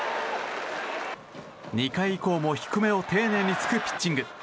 ２回以降も低めを丁寧に突くピッチング。